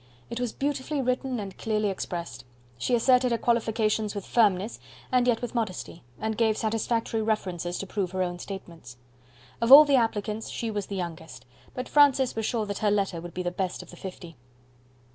It was beautifully written and clearly expressed. She asserted her qualifications with firmness, and yet with modesty, and gave satisfactory references to prove her own statements. Of all the applicants, she was the youngest; but Francis was sure that her letter would be the best of the fifty.